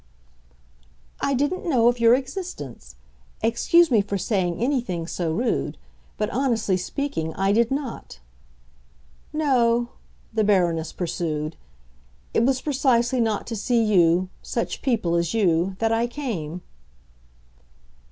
"I didn't know of your existence. Excuse me for saying anything so rude; but, honestly speaking, I did not. No," the Baroness pursued, "it was precisely not to see you—such people as you—that I came."